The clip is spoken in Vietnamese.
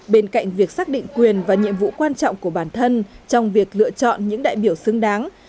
bên cạnh việc xác định quyền và nhiệm vụ quan trọng của bản thân trong việc lựa chọn những đại biểu xứng đáng